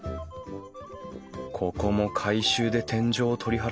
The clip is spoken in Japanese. ここも改修で天井を取り払ったのかな